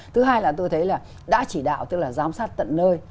thứ hai là tôi thấy là đã chỉ đạo tức là giám sát tận nơi